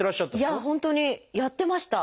いや本当にやってました。